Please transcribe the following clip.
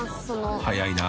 ［早いな］